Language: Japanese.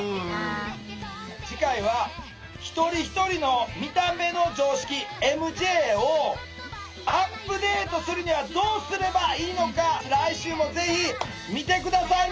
次回は一人一人の見た目の常識ＭＪをアップデートするにはどうすればいいのか来週もぜひ見て下さいね！